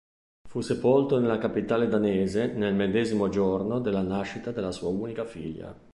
Fu sepolto nella capitale danese nel medesimo giorno della nascita della sua unica figlia.